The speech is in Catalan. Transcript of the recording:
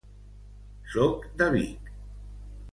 Soc de Vic.